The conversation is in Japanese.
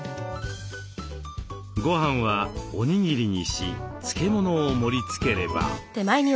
ごはんはおにぎりにし漬物を盛りつければ。